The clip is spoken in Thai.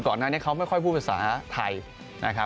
ก่อนหน้านี้เขาไม่ค่อยพูดภาษาไทยนะครับ